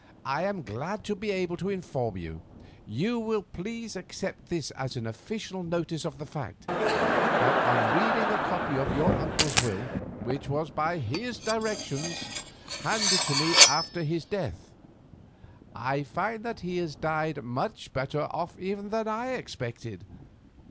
I am glad to be able to inform you—you will please accept this as an official notice of the fact—that on reading a copy of your uncle's will, which by his directions was handed to me after his death, I find that he has died much better off even than I expected.